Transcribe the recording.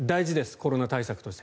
コロナ対策として。